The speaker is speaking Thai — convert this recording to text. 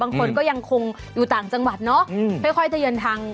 บางคนก็ยังคงอยู่ต่างจังหวัดเนอะ